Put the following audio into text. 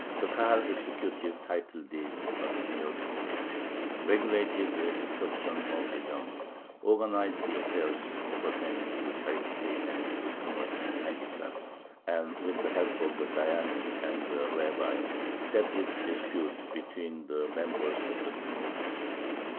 The Kahal executed title deeds on real estate, regulated the instruction of the young, organized the affairs appertaining to charity and to commerce and handicrafts, and with the help of the dayyanim and the rabbi settled disputes between the members of the community.